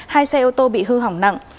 hai xe ô tô bị hư hỏng nặng